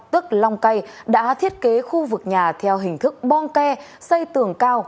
tức long cây đã thiết kế khu vực nhà theo hình thức bong ke xây tường cao